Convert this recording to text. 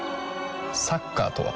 サッカーとは？